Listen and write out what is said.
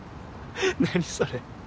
何それ。